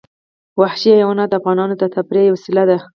وحشي حیوانات د افغانانو د تفریح یوه وسیله ده.